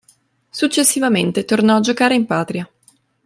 Successivamente tornò a giocare in patria.